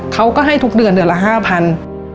เขาก็ให้ทุกเดือนเดือนละ๕๐๐บาท